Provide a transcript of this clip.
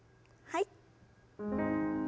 はい。